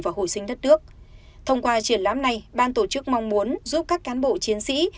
và hồi sinh đất nước thông qua triển lãm này ban tổ chức mong muốn giúp các cán bộ chiến sĩ